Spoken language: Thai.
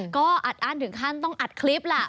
ก็อัดอั้นถึงขั้นต้องอัดคลิปล่ะ